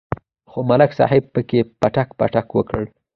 خو ملک صاحب پکې پټک پټک وکړ.